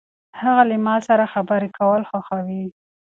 هغه له ما سره خبرې کول خوښوي.